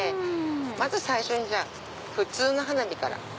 まず最初に普通の花火から。